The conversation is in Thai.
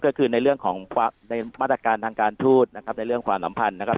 ก็คือในเรื่องของในมาตรการทางการทูตนะครับในเรื่องความสัมพันธ์นะครับ